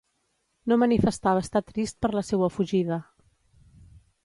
No manifestava estar trist per la seua fugida.